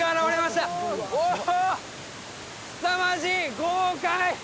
すさまじい豪快！